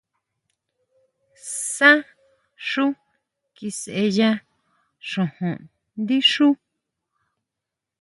Sʼá xu kisʼeya xojón ndí xuú.